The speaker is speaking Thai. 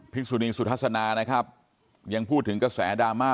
สุนีสุทัศนานะครับยังพูดถึงกระแสดราม่า